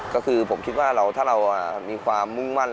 ก็คือผมคิดว่าถ้าเรามีความมุ่งมั่น